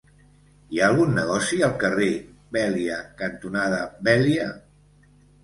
Hi ha algun negoci al carrer Vèlia cantonada Vèlia?